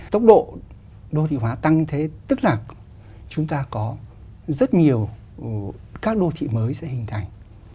tốc độ đô thị hóa tăng thế tức là chúng ta có rất nhiều các đô thị mới sẽ hình thành